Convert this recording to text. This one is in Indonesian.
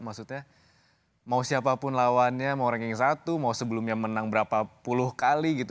maksudnya mau siapapun lawannya mau ranking satu mau sebelumnya menang berapa puluh kali gitu